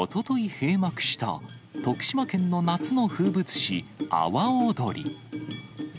閉幕した徳島県の夏の風物詩、阿波踊り。